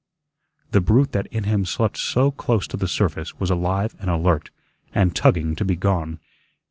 The brute that in him slept so close to the surface was alive and alert, and tugging to be gone.